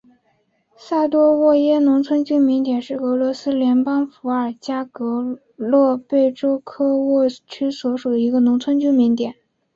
萨多沃耶农村居民点是俄罗斯联邦伏尔加格勒州贝科沃区所属的一个农村居民点。